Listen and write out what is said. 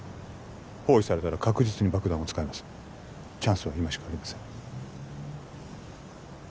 包囲されたら確実に爆弾を使いますチャンスは今しかありません